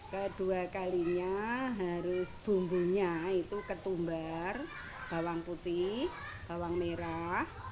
kedua kalinya harus bumbunya itu ketumbar bawang putih bawang merah